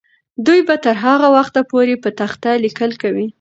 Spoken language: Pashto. دوی به تر هغه وخته پورې په تخته لیکل کوي.